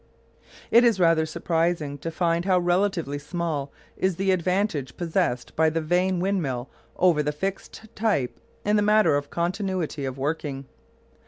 It is rather surprising to find how relatively small is the advantage possessed by the vane windmill over the fixed type in the matter of continuity of working.